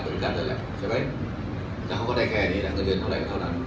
ได้จำกัดเหมือนกันแล้วใช่ไหมถ้าเขาก็ได้แค่นี้ก็เงินเท่าไหร่ก็เท่านั้น